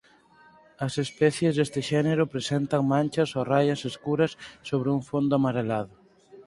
As especies deste xénero presentan manchas o raias escuras sobre un fondo amarelado.